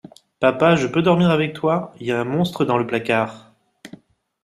Papa je peux dormir avec toi? Y a un monstre dans le placard.